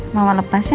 mama lepas ya